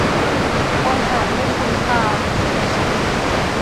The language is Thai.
คนอาจไม่คุ้นตา